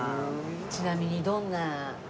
ちなみにどんな？